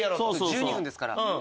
１２分ですから。